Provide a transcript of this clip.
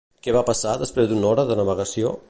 Què va passar després d'una hora de navegació?